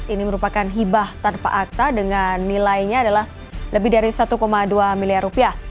ini merupakan hibah tanpa akta dengan nilainya adalah lebih dari satu dua miliar rupiah